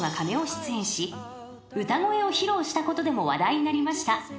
［歌声を披露したことでも話題になりました］